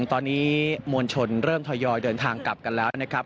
ตอนนี้มวลชนเริ่มทยอยเดินทางกลับกันแล้วนะครับ